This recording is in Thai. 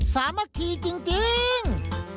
สามารถข่ายจริง